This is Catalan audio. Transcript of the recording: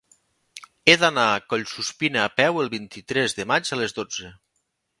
He d'anar a Collsuspina a peu el vint-i-tres de maig a les dotze.